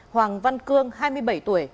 hoàng văn cương hai mươi bảy tuổi